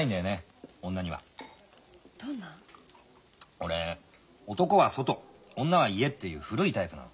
俺男は外女は家っていう古いタイプなの。